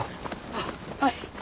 あっはい！